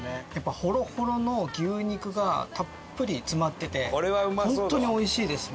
ほろほろの牛肉がたっぷり詰まってて本当においしいですね。